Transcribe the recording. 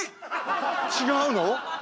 違うの⁉